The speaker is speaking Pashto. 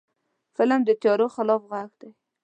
فلم د تیارو خلاف غږ دی